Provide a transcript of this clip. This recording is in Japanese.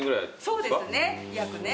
そうですね約ね。